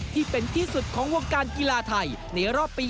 ที่เป็นที่สุดของวงการกีฬาไทยในรอบปี๒๕